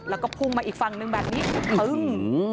แล้วก็พุ่งมาอีกฝั่งนึงแบบนี้ตึ้ง